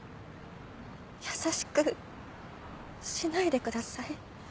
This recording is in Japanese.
優しくしないでください。